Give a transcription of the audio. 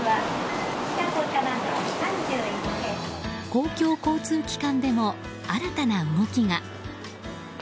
公共交通機関でも新たな動きが。